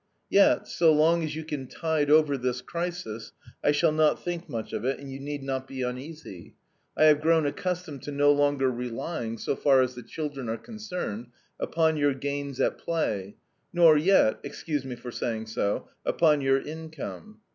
Yet, so long as you can tide over this crisis, I shall not think much of it, and you need not be uneasy, I have grown accustomed to no longer relying, so far as the children are concerned, upon your gains at play, nor yet excuse me for saying so upon your income.